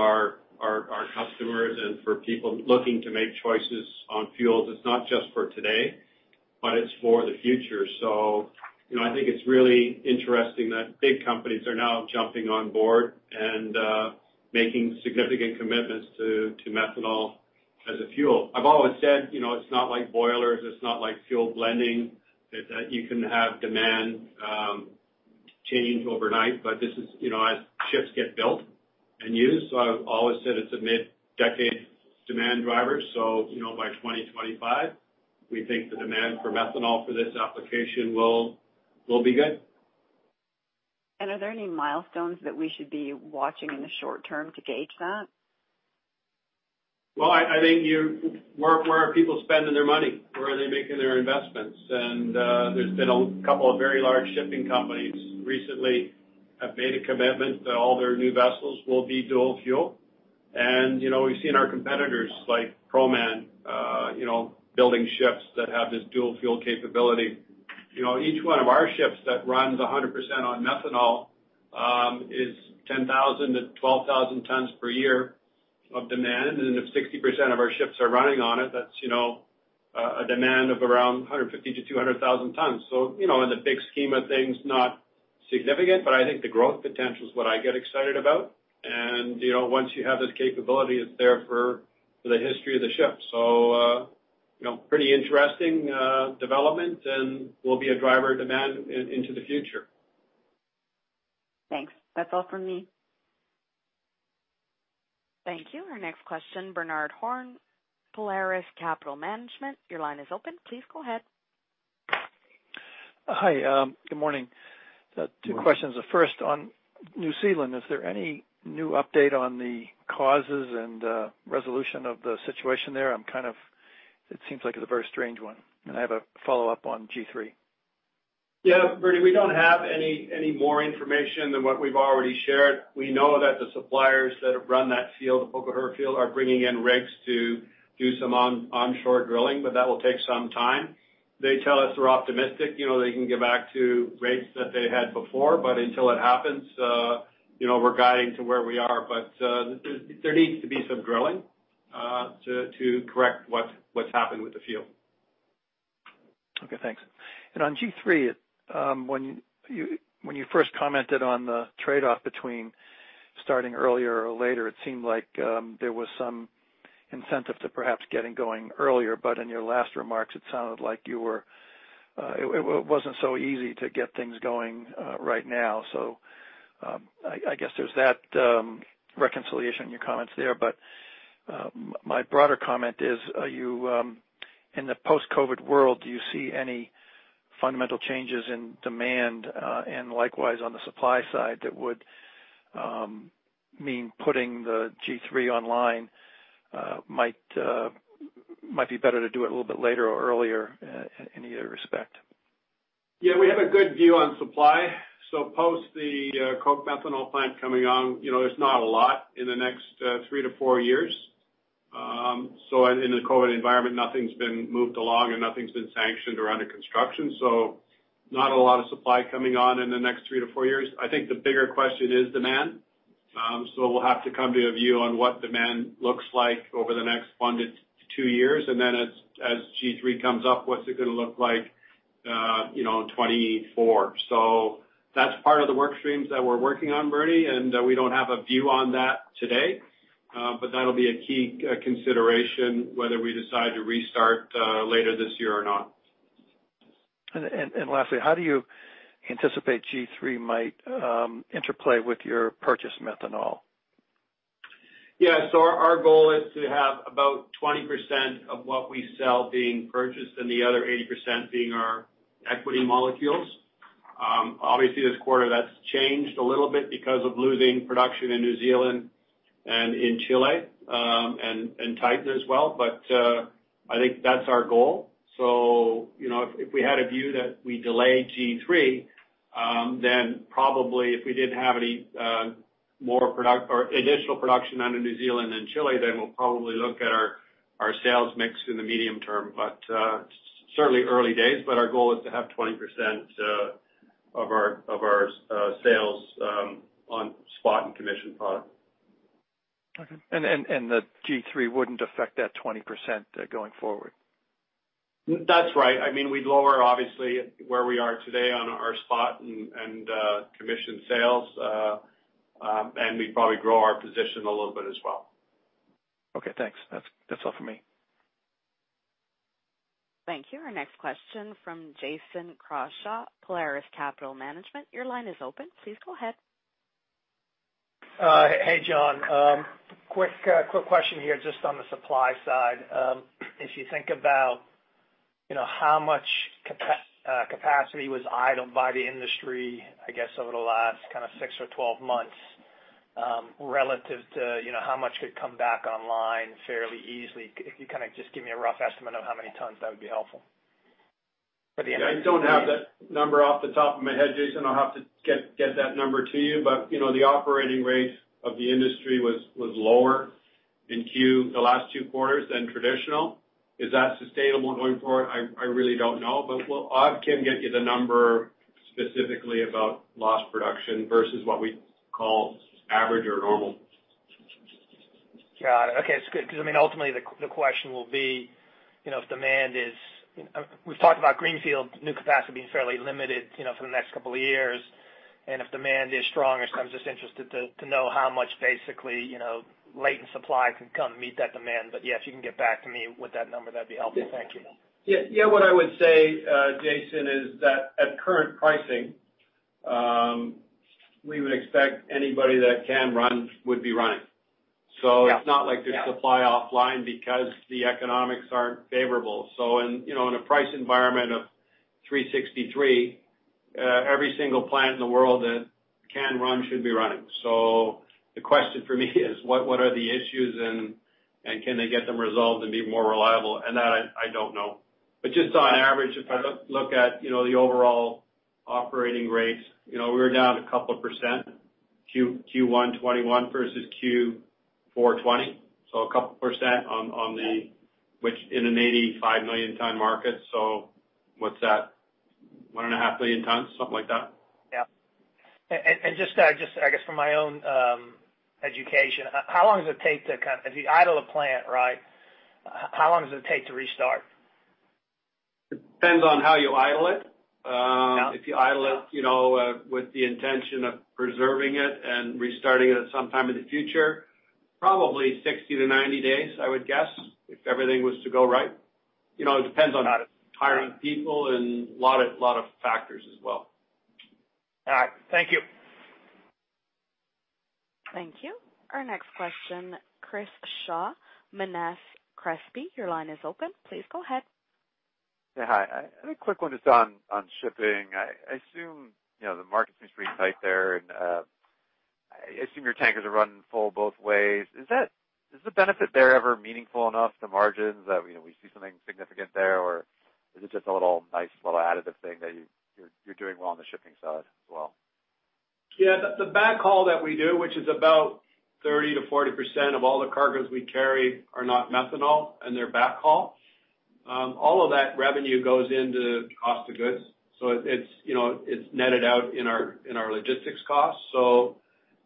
our customers and for people looking to make choices on fuels. It's not just for today, but it's for the future. I think it's really interesting that big companies are now jumping on board and making significant commitments to methanol as a fuel. I've always said, it's not like boilers, it's not like fuel blending, that you can have demand change overnight. As ships get built and used, I've always said it's a mid-decade demand driver. By 2025, we think the demand for methanol for this application will be good. Are there any milestones that we should be watching in the short term to gauge that? Well, I think where are people spending their money? Where are they making their investments? There's been a couple of very large shipping companies recently have made a commitment that all their new vessels will be dual fuel. We've seen our competitors like Proman building ships that have this dual fuel capability. Each one of our ships that runs 100% on methanol is 10,000-12,000 tons per year of demand. If 60% of our ships are running on it, that's a demand of around 150,000-200,000 tons. In the big scheme of things, not significant, but I think the growth potential is what I get excited about. Once you have this capability, it's there for the history of the ship. Pretty interesting development and will be a driver of demand into the future. Thanks. That's all from me. Thank you. Our next question, Bernard Horn, Polaris Capital Management. Your line is open. Please go ahead. Hi. Good morning. Two questions. The first on New Zealand, is there any new update on the causes and resolution of the situation there? It seems like it's a very strange one. I have a follow-up on G3. Yeah, Bernie, we don't have any more information than what we've already shared. We know that the suppliers that have run that field, the Pohokura field, are bringing in rigs to do some onshore drilling, but that will take some time. They tell us they're optimistic. They can get back to rates that they had before, but until it happens, we're guiding to where we are. There needs to be some drilling to correct what's happened with the field. Okay, thanks. On G3, when you first commented on the trade-off between starting earlier or later, it seemed like there was some incentive to perhaps getting going earlier. In your last remarks, it sounded like it wasn't so easy to get things going right now. I guess there's that reconciliation in your comments there. My broader comment is, in the post-COVID world, do you see any fundamental changes in demand? Likewise, on the supply side, that would mean putting the G3 online might be better to do it a little bit later or earlier in either respect. Yeah, we have a good view on supply. Post the OCI methanol plant coming on, there's not a lot in the next three to four years. In the COVID environment, nothing's been moved along and nothing's been sanctioned or under construction. Not a lot of supply coming on in the next three to four years. I think the bigger question is demand. We'll have to come to a view on what demand looks like over the next one to two years, and then as G3 comes up, what's it going to look like in 2024? That's part of the work streams that we're working on, Bernie, and we don't have a view on that today. That'll be a key consideration whether we decide to restart later this year or not. Lastly, how do you anticipate G3 might interplay with your purchase methanol? Our goal is to have about 20% of what we sell being purchased and the other 80% being our equity molecules. Obviously, this quarter, that's changed a little bit because of losing production in New Zealand and in Chile, and Titan as well. I think that's our goal. If we had a view that we delay G3, probably if we didn't have any additional production out of New Zealand and Chile, then we'll probably look at our sales mix in the medium term. Certainly early days, but our goal is to have 20% of our sales on spot and commission product. Okay. The G3 wouldn't affect that 20% going forward? That's right. We'd lower, obviously, where we are today on our spot and commission sales, and we'd probably grow our position a little bit as well. Okay, thanks. That's all for me. Thank you. Our next question from Jason Crawshaw, Polaris Capital Management, your line is open. Please go ahead. Hey, John. Quick question here, just on the supply side. If you think about how much capacity was idled by the industry, I guess, over the last six or 12 months, relative to how much could come back online fairly easily. If you just give me a rough estimate of how many tons, that would be helpful. I don't have that number off the top of my head, Jason. I'll have to get that number to you. The operating rate of the industry was lower the last two quarters than traditional. Is that sustainable going forward? I really don't know, but I can get you the number specifically about lost production versus what we call average or normal. Got it. Okay. It's good, because ultimately the question will be, we've talked about greenfield new capacity being fairly limited for the next couple of years. If demand is strong, I'm just interested to know how much latent supply can come meet that demand. Yeah, if you can get back to me with that number, that'd be helpful. Thank you. Yeah. What I would say, Jason, is that at current pricing, we would expect anybody that can run would be running. Yeah. It's not like there's supply offline because the economics aren't favorable. In a price environment of $363, every single plant in the world that can run should be running. The question for me is what are the issues and can they get them resolved and be more reliable? That I don't know. Just on average, if I look at the overall operating rates, we were down a couple of percent, Q1 2021 versus Q4 2020. A couple percent on the. Yeah Which in an 85 million ton market, so what's that? One and a half million tons, something like that. Yeah. Just from my own education, if you idle a plant, how long does it take to restart? It depends on how you idle it. Yeah. If you idle it with the intention of preserving it and restarting it at some time in the future, probably 60-90 days, I would guess, if everything was to go right. It depends on hiring people and a lot of factors as well. All right. Thank you. Thank you. Our next question, Chris Shaw, Monness, Crespi, your line is open. Please go ahead. Yeah, hi. A quick one just on shipping. I assume the market seems pretty tight there, and I assume your tankers are running full both ways. Is the benefit there ever meaningful enough to margins that we see something significant there, or is it just a little nice little additive thing that you're doing well on the shipping side as well? Yeah. The backhaul that we do, which is about 30%-40% of all the cargoes we carry are not methanol and they're backhaul. All of that revenue goes into cost of goods. It's netted out in our logistics costs.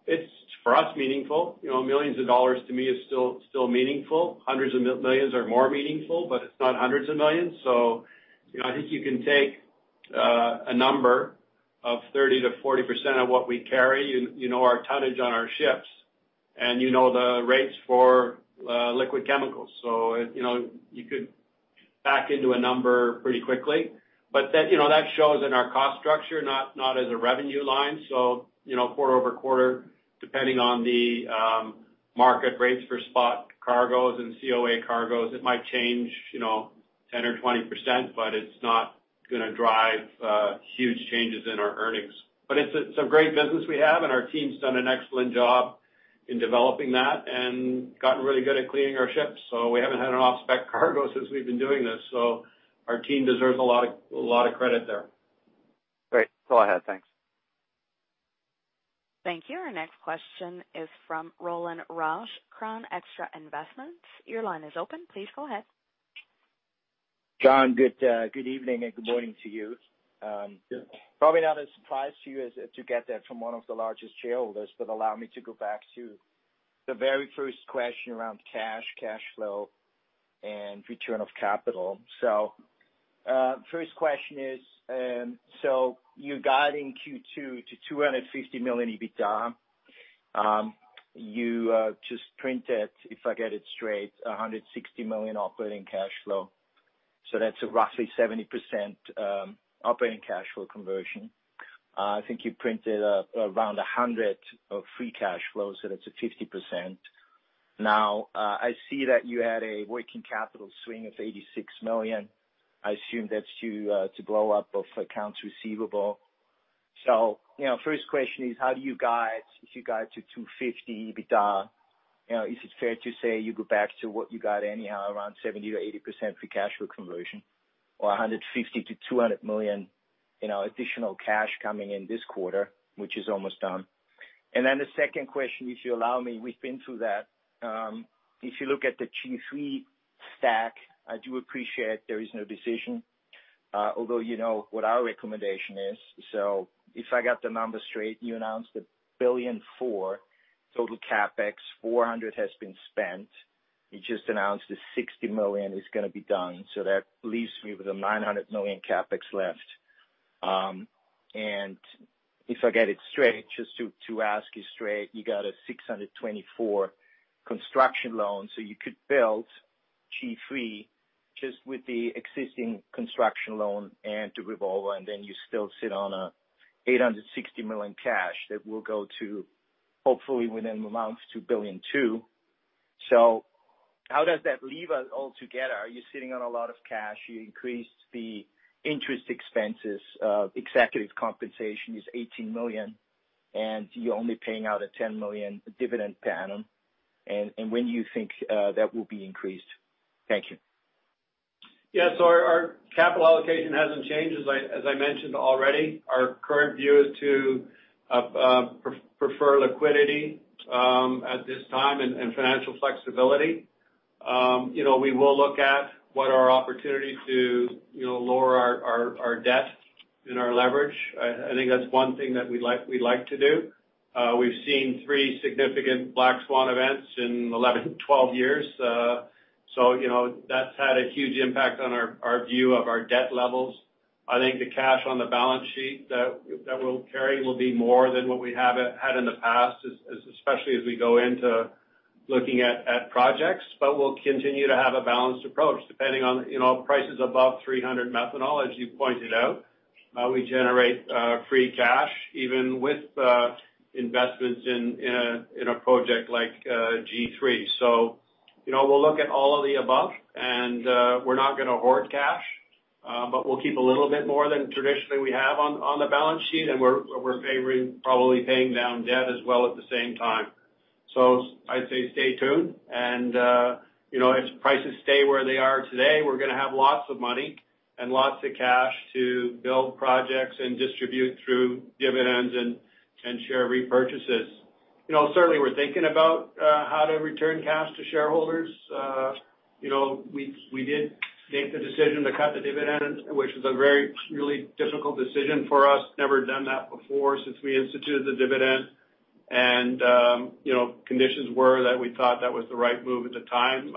It's, for us, meaningful. Millions of dollars to me is still meaningful. Hundreds of millions are more meaningful, but it's not hundreds of millions. I think you can take a number of 30%-40% of what we carry, our tonnage on our ships and you know the rates for liquid chemicals. You could back into a number pretty quickly. That shows in our cost structure, not as a revenue line. Quarter-over-quarter, depending on the market rates for spot cargoes and COA cargoes, it might change 10% or 20%, but it's not going to drive huge changes in our earnings. It's a great business we have, and our team's done an excellent job in developing that and gotten really good at cleaning our ships. We haven't had an off-spec cargo since we've been doing this, so our team deserves a lot of credit there. Great. That's all I had. Thanks. Thank you. Our next question is from Roland Rausch, Crown Extra Investments. Your line is open. Please go ahead. John, good evening and good morning to you. Yeah. Probably not a surprise to you as to get that from one of the largest shareholders, allow me to go back to the very first question around cash flow, and return of capital. First question is, you got in Q2 to $250 million EBITDA. You just printed, if I get it straight, $160 million operating cash flow. That's a roughly 70% operating cash flow conversion. I think you printed around $100 of free cash flow, that's a 50%. I see that you had a working capital swing of $86 million. I assume that's to blow up of accounts receivable. First question is how do you guide if you guide to $250 EBITDA? Is it fair to say you go back to what you got anyhow, around 70%-80% free cash flow conversion or $150 million-$200 million additional cash coming in this quarter, which is almost done? The second question, if you allow me, we've been through that. If you look at the G3 stack, I do appreciate there is no decision. Although you know what our recommendation is. If I got the numbers straight, you announced a $1.4 billion total CapEx, $400 million has been spent. You just announced the $60 million is going to be done, that leaves me with a $900 million CapEx left. If I get it straight, just to ask you straight, you got a $624 construction loan, you could build G3 just with the existing construction loan and the revolver, you still sit on a $860 million cash that will go to, hopefully within a month, $2.2 billion. How does that leave us altogether? Are you sitting on a lot of cash? You increased the interest expenses, executive compensation is $18 million, you're only paying out a $10 million dividend per annum. When do you think that will be increased? Thank you. Our capital allocation hasn't changed, as I mentioned already. Our current view is to prefer liquidity at this time and financial flexibility. We will look at what are opportunities to lower our debt and our leverage. I think that's one thing that we'd like to do. We've seen three significant black swan events in 11, 12 years. That's had a huge impact on our view of our debt levels. I think the cash on the balance sheet that we'll carry will be more than what we have had in the past, especially as we go into looking at projects. We'll continue to have a balanced approach depending on prices above $300 methanol, as you pointed out. We generate free cash even with investments in a project like G3. We'll look at all of the above and we're not going to hoard cash, but we'll keep a little bit more than traditionally we have on the balance sheet and we're favoring probably paying down debt as well at the same time. I'd say stay tuned and if prices stay where they are today, we're going to have lots of money and lots of cash to build projects and distribute through dividends and share repurchases. Certainly we're thinking about how to return cash to shareholders. We did make the decision to cut the dividend, which was a very, really difficult decision for us. Never done that before, since we instituted the dividend and conditions were that we thought that was the right move at the time.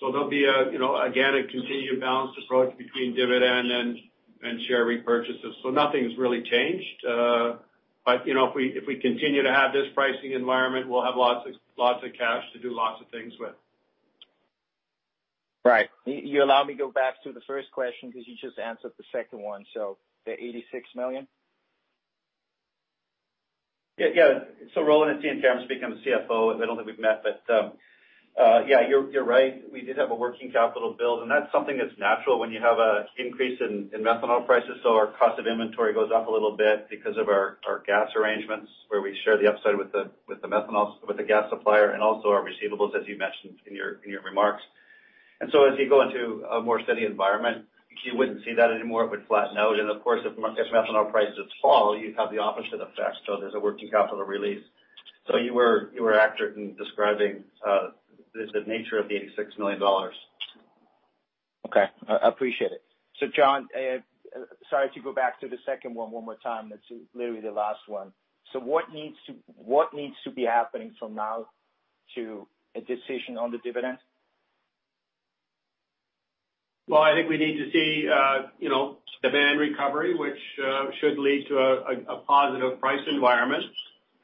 There'll be, again, a continued balanced approach between dividend and share repurchases. Nothing's really changed. If we continue to have this pricing environment, we'll have lots of cash to do lots of things with. Right. You allow me go back to the first question because you just answered the second one, so the $86 million. Yes. So Roland, it's Ian Cameron speaking, the CFO. I don't think we've met, you're right. We did have a working capital build, that's something that's natural when you have an increase in methanol prices. Our cost of inventory goes up a little bit because of our gas arrangements where we share the upside with the gas supplier, also our receivables, as you mentioned in your remarks. As you go into a more steady environment, you wouldn't see that anymore. It would flatten out, Of course, if methanol prices fall, you'd have the opposite effect. There's a working capital release. You were accurate in describing the nature of the $86 million. Okay. I appreciate it. John, sorry to go back to the second one more time. That's literally the last one. What needs to be happening from now to a decision on the dividend? I think we need to see demand recovery, which should lead to a positive price environment,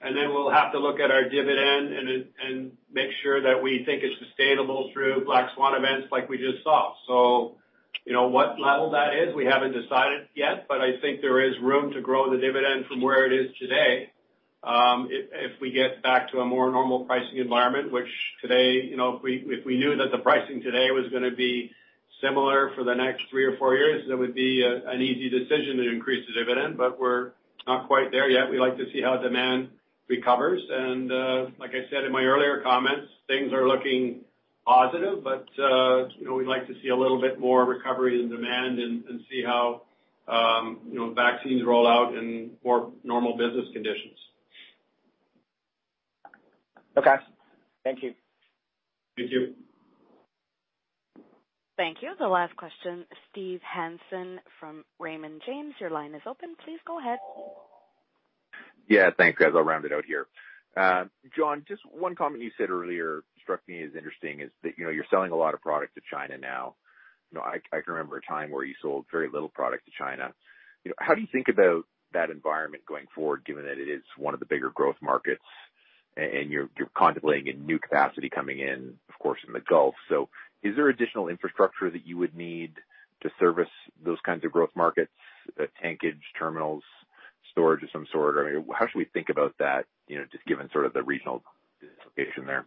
we'll have to look at our dividend and make sure that we think it's sustainable through black swan events like we just saw. What level that is, we haven't decided yet, I think there is room to grow the dividend from where it is today if we get back to a more normal pricing environment. Which today, if we knew that the pricing today was going to be similar for the next three or four years, it would be an easy decision to increase the dividend, we're not quite there yet. We'd like to see how demand recovers and, like I said in my earlier comments, things are looking positive, but we'd like to see a little bit more recovery in demand and see how vaccines roll out in more normal business conditions. Okay. Thank you. Thank you. Thank you. The last question, Steve Hansen from Raymond James, your line is open. Please go ahead. Yeah, thanks, guys. I'll round it out here. John, just one comment you said earlier struck me as interesting is that you're selling a lot of product to China now. I can remember a time where you sold very little product to China. How do you think about that environment going forward, given that it is one of the bigger growth markets and you're contemplating a new capacity coming in, of course, in the Gulf. Is there additional infrastructure that you would need to service those kinds of growth markets, tankage, terminals, storage of some sort? I mean, how should we think about that, just given sort of the regional location there?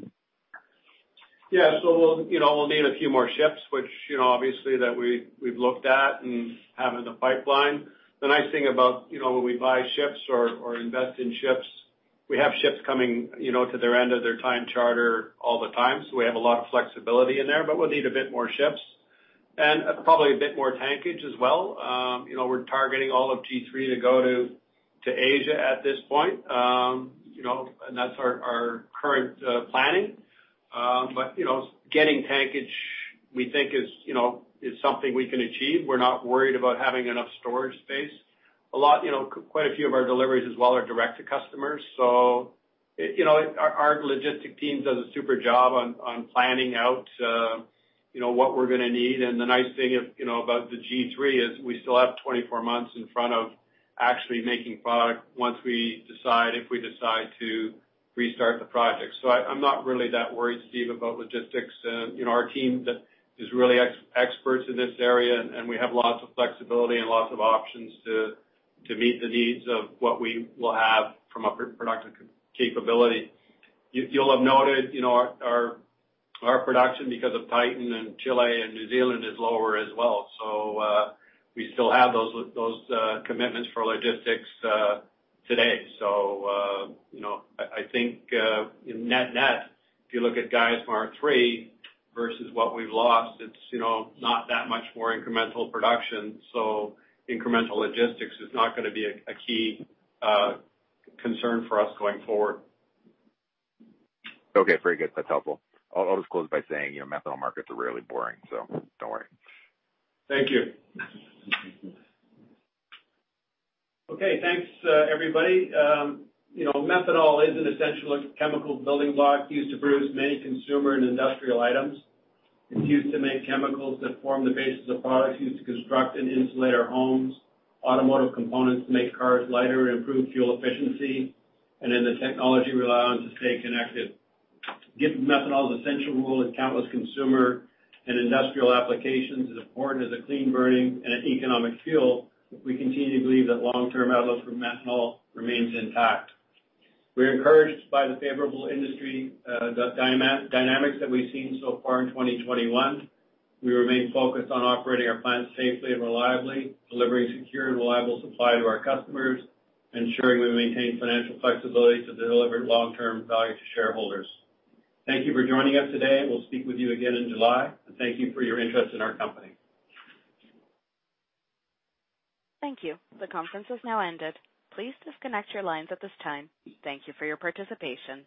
Yeah. We'll need a few more ships, which obviously that we've looked at and have in the pipeline. The nice thing about when we buy ships or invest in ships, we have ships coming to their end of their time charter all the time, so we have a lot of flexibility in there, but we'll need a bit more ships and probably a bit more tankage as well. We're targeting all of G3 to go to Asia at this point. That's our current planning. But getting tankage, we think is something we can achieve. We're not worried about having enough storage space. Quite a few of our deliveries as well are direct to customers. Our logistics team does a super job on planning out what we're going to need, and the nice thing about the G3 is we still have 24 months in front of actually making product once we decide, if we decide to restart the project. I'm not really that worried, Steve, about logistics. Our team is really experts in this area, and we have lots of flexibility and lots of options to meet the needs of what we will have from a production capability. You'll have noted our production, because of Titan and Chile and New Zealand, is lower as well. We still have those commitments for logistics today. I think net-net, if you look at Geismar 3 versus what we've lost, it's not that much more incremental production. Incremental logistics is not going to be a key concern for us going forward. Okay. Very good. That's helpful. I'll just close by saying methanol markets are really boring. Don't worry. Thank you. Okay, thanks everybody. Methanol is an essential chemical building block used to produce many consumer and industrial items. It's used to make chemicals that form the basis of products used to construct and insulate our homes, automotive components to make cars lighter and improve fuel efficiency, and then the technology we rely on to stay connected. Given methanol's essential role in countless consumer and industrial applications, and important as a clean-burning and an economic fuel, we continue to believe that long-term outlook for methanol remains intact. We're encouraged by the favorable industry dynamics that we've seen so far in 2021. We remain focused on operating our plants safely and reliably, delivering secure and reliable supply to our customers, ensuring we maintain financial flexibility to deliver long-term value to shareholders. Thank you for joining us today. We'll speak with you again in July, and thank you for your interest in our company. Thank you. The conference has now ended. Please disconnect your lines at this time. Thank you for your participation.